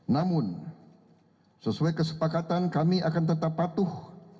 namun sesuai kesepakatan kami akan tetap patuh